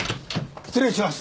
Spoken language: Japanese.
失礼します。